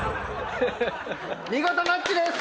見事マッチです！